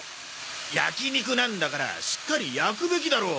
焼き肉なんだからしっかり焼くべきだろ。